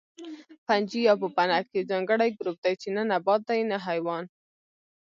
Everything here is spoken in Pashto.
فنجي یا پوپنک یو ځانګړی ګروپ دی چې نه نبات دی نه حیوان